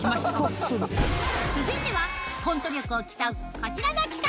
続いてはコント力を競うこちらの企画